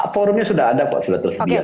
forumnya sudah ada kok sudah tersedia